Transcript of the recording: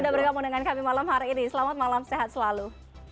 sudah bergabung dengan kami malam hari ini selamat malam sehat selalu